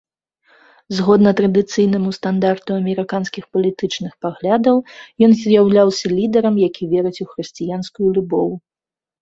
Згодна традыцыйнаму стандарту амерыканскіх палітычных паглядаў, ён з'яўляўся лідарам, які верыць у хрысціянскую любоў.